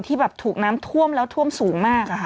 ที่แบบถูกน้ำท่วมแล้วท่วมสูงมากอะค่ะ